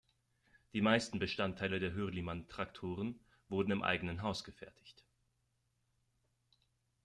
Die meisten Bestandteile der Hürlimann-Traktoren wurden im eigenen Haus gefertigt.